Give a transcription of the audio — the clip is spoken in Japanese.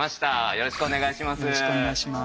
よろしくお願いします。